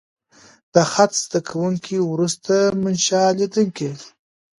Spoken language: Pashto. د خط زده کوونکي وروسته منشي کېدل.